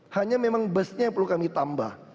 hanya memang busnya yang perlu kami tambah